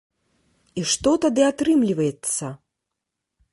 І што тады атрымліваецца?